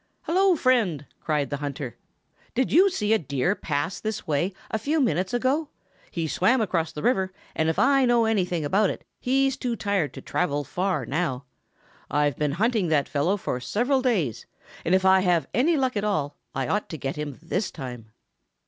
"Hello, Friend!" cried the hunter. "Did you see a Deer pass this way a few minutes ago? He swam across the river, and if I know anything about it he's too tired to travel far now. I've been hunting that fellow for several days, and if I have any luck at all I ought to get him this time."